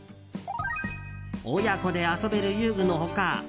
親子で遊べる遊具の他